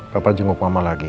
papa jenguk mama lagi